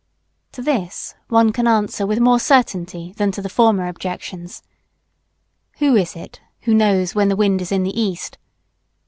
To this one can answer with more certainty than to the former objections. Who is it who knows when the wind is in the east?